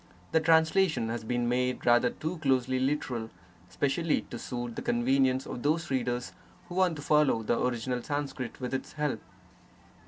The translation has been made rather too closely literal, specially to suit the convenience of those readers who want to follow the original Sanskrit with its help.